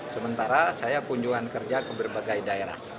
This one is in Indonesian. sementara saya kunjungan kerja ke berbagai daerah